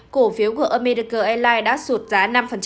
cổ phiếu của america airlines đã sụt giá năm